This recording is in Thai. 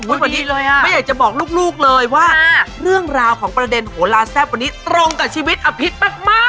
วันนี้เลยอ่ะไม่อยากจะบอกลูกเลยว่าเรื่องราวของประเด็นโหลาแซ่บวันนี้ตรงกับชีวิตอภิษมาก